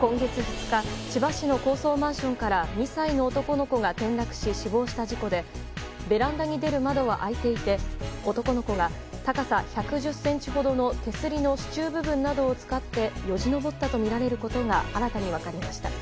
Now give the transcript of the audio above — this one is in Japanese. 今月２日千葉市の高層マンションから２歳の男の子が転落し死亡した事故でベランダに出る窓は開いていて男の子が高さ１１０ｃｍほどの手すりの支柱部分などを使ってよじ登ったとみられることが新たに分かりました。